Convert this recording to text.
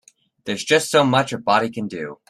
There's just so much a body can do.